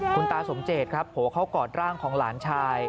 คุณตาสมเจตครับโผล่เข้ากอดร่างของหลานชาย